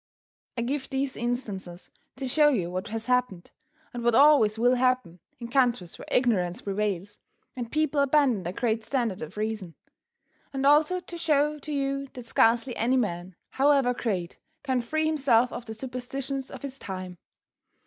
I give these instances to show you what has happened, and what always will happen, in countries where ignorance prevails, and people abandon the great standard of reason. And also to show to you that scarcely any man, however great, can free himself of the superstitions of his time.